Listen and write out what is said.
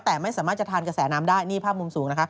แต่ไม่สามารถจะทานกระแสน้ำได้นี่ภาพมุมสูงนะคะ